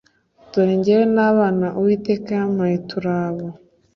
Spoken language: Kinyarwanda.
dore jyewe n abana uwiteka yampaye turi abo